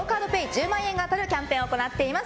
１０万円が当たるキャンペーンを行っております。